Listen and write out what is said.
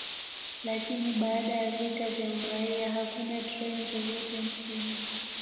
Lakini baada ya vita vya uraia, hakuna treni zozote nchini.